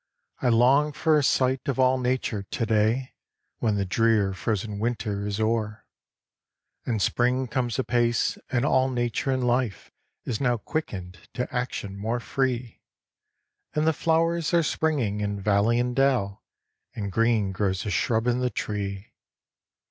I long for a sight of all nature, to day, When the drear, frozen winter is o'er, And Spring comes apace, and all nature in life Is now quickened to action more free, And the flowers are springing in valley and dell, And green grows the shrub and the tree.